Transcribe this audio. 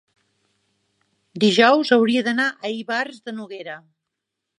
dijous hauria d'anar a Ivars de Noguera.